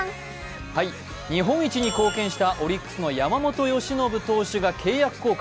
日本一に貢献したオリックスの山本由伸投手が契約更改。